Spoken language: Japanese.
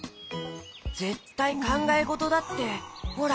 ぜったいかんがえごとだってほら。